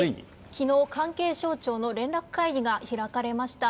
きのう、関係省庁の連絡会議が開かれました。